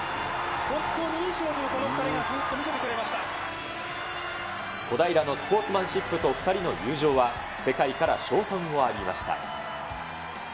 本当にいい勝負をこの２人がずっ小平のスポーツマンシップと２人の友情は、世界から称賛を浴びました。